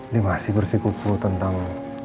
dia masih bersikupu tentang